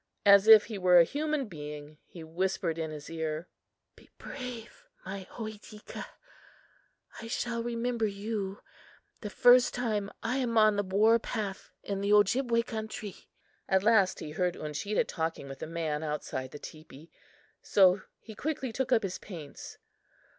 As if he were a human being, he whispered in his ear: "Be brave, my Ohitika! I shall remember you the first time I am upon the war path in the Ojibway country." At last he heard Uncheedah talking with a man outside the teepee, so he quickly took up his paints.